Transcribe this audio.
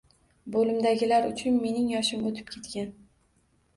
Bo‘limdagilar uchun mening yoshim o‘tib ketgan